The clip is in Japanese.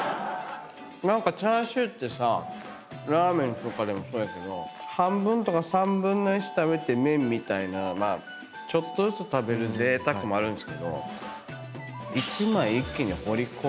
何かチャーシューってさラーメンとかでもそうやけど半分とか３分の１食べて麺みたいなちょっとずつ食べるぜいたくもあるんですけど。